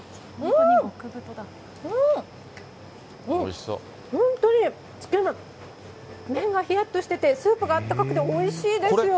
うん、本当につけ麺、麺がひやっとしてて、スープがあったかくておいしいですよ。